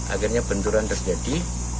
akhirnya benturan terjadi